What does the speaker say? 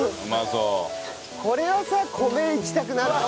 これはさ米いきたくなるかもね。